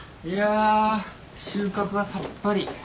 いや収穫はさっぱり。